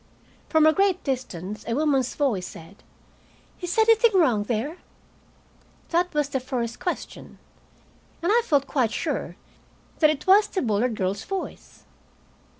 From a great distance a woman's voice said, "Is anything wrong there?" That was the first question, and I felt quite sure that it was the Bullard girl's voice.